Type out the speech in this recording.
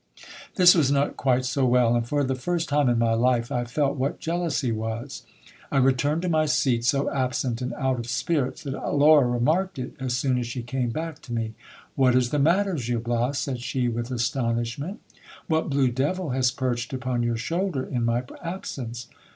This was not quite so well ; and for the first time in my life I felt what jealousy was. I returned to my seat so absent and out of spirits, that I^aura remarked it as soon as she came back to me. What is the matter, Gil lilas, said she with astonishment ; what blue devil has perched upon your shoulder in my absence